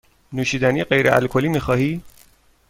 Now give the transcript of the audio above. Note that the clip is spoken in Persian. نوشیدنی غیر الکلی می خواهی؟